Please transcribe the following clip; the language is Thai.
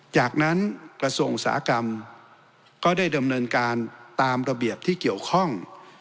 จากนั้นกระทรวงอุตสาหกรรมก็ได้ดำเนินการตามระเบียบที่เกี่ยวข้อง